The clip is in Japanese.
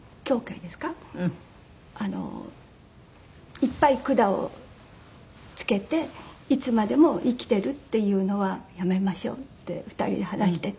「いっぱい管を着けていつまでも生きてるっていうのはやめましょうね」って２人で話してて。